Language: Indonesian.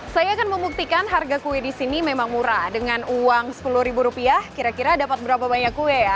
saya akan membuktikan harga kue di sini memang murah dengan uang sepuluh ribu rupiah kira kira dapat berapa banyak kue ya